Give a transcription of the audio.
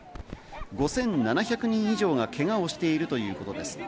５７００人以上がけがをしているということです。